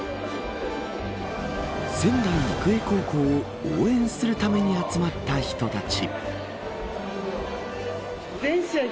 仙台育英高校を応援するために集まった人たち。